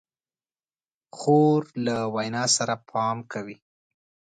خور له وینا سره پام کوي.